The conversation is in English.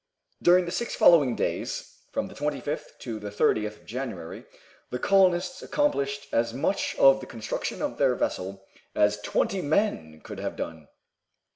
During the six following days, from the 25th to the 30th of January, the colonists accomplished as much of the construction of their vessel as twenty men could have done.